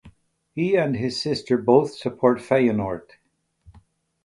He and his sister both support Feyenoord.